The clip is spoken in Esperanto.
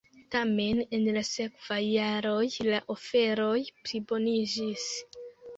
Tamen en la sekvaj jaroj la aferoj pliboniĝis.